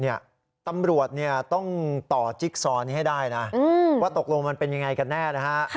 เนี่ยตำรวจเนี่ยต้องต่อจิ๊กซ้อนให้ได้นะว่าตกลงมันเป็นยังไงกันแน่นะคะ